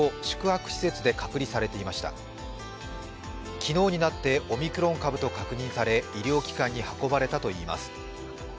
昨日になってオミクロン株と確認され医療機関に運ばれたといいます。